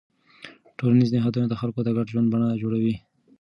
ټولنیز نهادونه د خلکو د ګډ ژوند بڼه جوړوي.